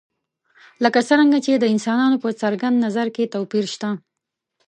لکه څرنګه چې د انسانانو په څرګند نظر کې توپیر شته.